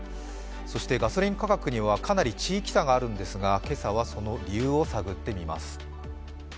そしてガソリン価格にはかなり地域差があるんですが、今朝はその理由を探ってみます。